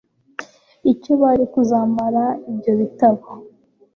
icyo bari kuzamaza ibyo bitabo